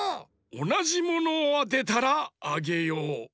おなじものをあてたらあげよう。